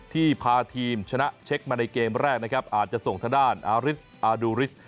พาทีมชนะเช็คมาในเกมแรกนะครับอาจจะส่งทางด้านอาริสอาดูริส